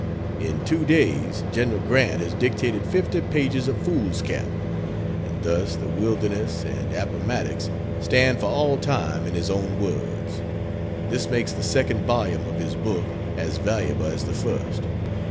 In two days General Grant has dictated 50 pages of foolscap, and thus the Wilderness and Appomattox stand for all time in his own words. This makes the second volume of his book as valuable as the first.